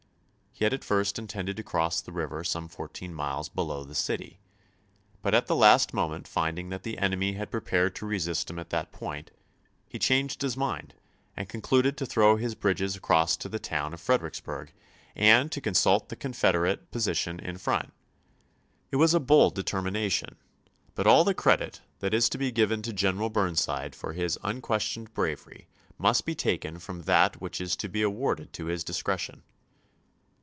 He had at first intended to cross the river some fourteen miles below the city ; but at the last moment finding that the enemy had prepared to resist him at that point, he changed his mind and concluded to throw his bridges across to the town of Fredericksburg and to assault the Confederate 202 ABEAHAM LINCOLN Chap. X. positioii iii f ront. It was a bold determination, but all the credit that is to be given to General Burn side for his unquestioned bravery must be taken from that which is to be awarded to his discretion.